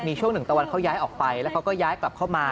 มีช่วงหนึ่งตะวันเขาย้ายออกไปแล้วเขาก็ย้ายกลับเข้ามา